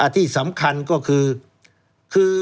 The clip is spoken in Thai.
ที่สำคัญก็คือ